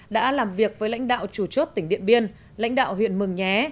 đã làm việc với lãnh đạo chủ chốt tỉnh điện biên lãnh đạo huyện mường nhé